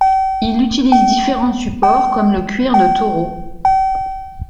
Il utilise différents supports comme le cuir de taureau.